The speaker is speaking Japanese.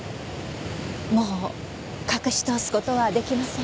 もう隠し通す事は出来ません。